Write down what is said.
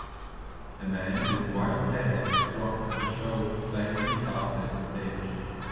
A man with wild hair rocks a show playing a guitar center stage.